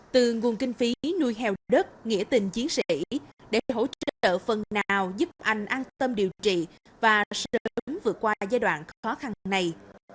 từ nguồn kinh phí nuôi heo đất nghĩa tình chiến sĩ để hỗ trợ phần nào giúp anh an tâm điều trị và sớm vượt qua giai đoạn khó khăn này